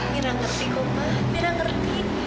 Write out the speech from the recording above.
mira ngerti kok ma mira ngerti